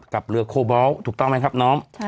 กับเรือโคบอลถูกต้องไหมครับน้อง